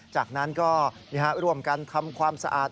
จากนั้นก็ร่วมกันทำความสะอาด